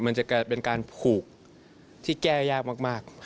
มันจะกลายเป็นการผูกที่แก้ยากมาก